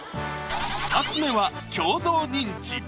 ２つ目は鏡像認知